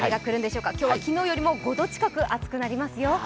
今日は昨日よりも５度近く暑くなりますよ。